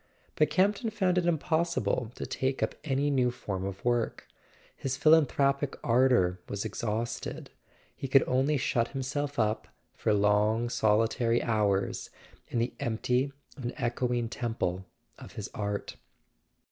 But Campton found it impossible to take up any new form of work; his philanthropic ardour was exhausted. He could only shut himself up, for long solitary hours, in the empty and echoing temple of his art.